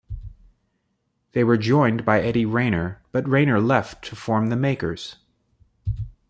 They were joined by Eddie Rayner, but Rayner left to form The Makers.